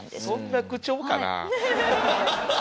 そんな口調かな？